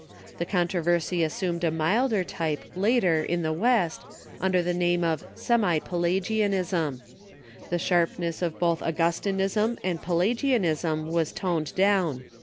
The controversy assumed a milder type, later, in the West, under the name of semi Pelagianism. The sharpness of both Augustinism and Pelagianism was toned down.